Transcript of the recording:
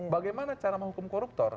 bagaimana cara menghukum koruptor